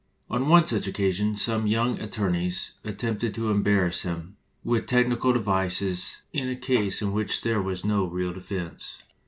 On one such occasion some young attorneys attempted to embarrass him with technical devices in a case in which there was no real defense.